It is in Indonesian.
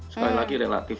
sekali lagi relatif